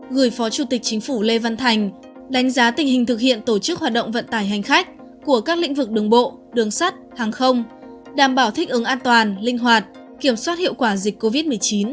gửi phó chủ tịch chính phủ lê văn thành đánh giá tình hình thực hiện tổ chức hoạt động vận tải hành khách của các lĩnh vực đường bộ đường sắt hàng không đảm bảo thích ứng an toàn linh hoạt kiểm soát hiệu quả dịch covid một mươi chín